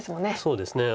そうですね。